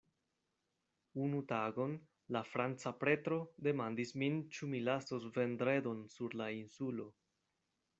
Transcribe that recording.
Unu tagon la franca pretro demandis min ĉu mi lasos Vendredon sur la insulo.